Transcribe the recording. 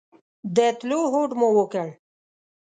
د تلو هوډ مو وکړ.